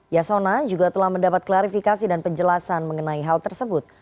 yasona juga telah mendapat klarifikasi dan penjelasan mengenai hal tersebut